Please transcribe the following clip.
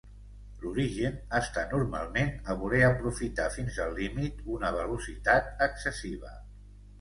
L'origen està normalment a voler aprofitar fins al límit una velocitat excessiva.